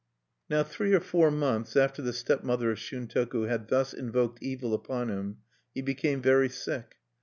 Now three or four months after the stepmother of Shuntoku had thus invoked evil upon him he became very sick.